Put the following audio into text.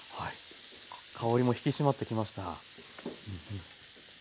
香りも引き締まってきました。